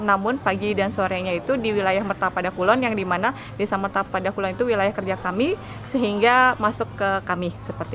namun pagi dan sore itu di wilayah mertapada kulon yang di mana desa mertapada kulon itu wilayah kerja kami sehingga masuk ke kami